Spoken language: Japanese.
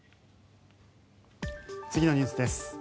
次のニュースです。